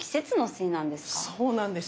そうなんですよね。